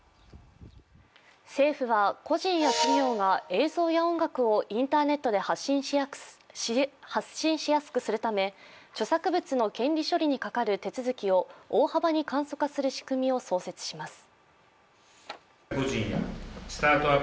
政府は個人や企業が映像や音楽をインターネットで発信しやすくするため、著作物の権利処理にかかる手続きを大幅に簡素化する仕組みを創設します。